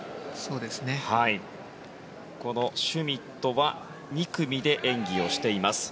このシュミットは２組で演技をしています。